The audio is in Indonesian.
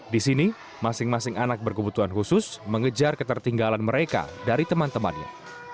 di sini masing masing anak berkebutuhan khusus mengejar ketertinggalan mereka dari teman temannya